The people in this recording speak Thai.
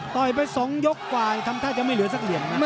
ด่อยไป๒ยกไวท์กว่าทำท่าไม่ิถาทัดสักเหลี่ยมน่ะ